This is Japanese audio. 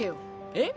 えっ？